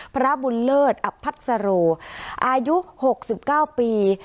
พระบุญเลิศอับพัฒโรอายุ๖๙ปี